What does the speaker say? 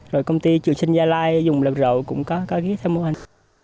rồi công ty triều sinh gia lai dùng làm rậu cũng có ghé thăm mua hành